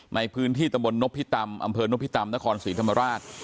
ในพื้นที่ตำบลนพิตำอำเภอนพิตำนครศรีธรรมราช